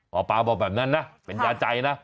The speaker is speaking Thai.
หมอปลาบอกแบบนั้นนะเป็นยาใจนะ